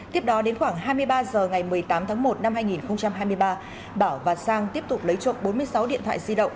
tiếp đó đến khoảng hai mươi ba h ngày một mươi tám tháng một năm hai nghìn hai mươi ba bảo và sang tiếp tục lấy trộm bốn mươi sáu điện thoại di động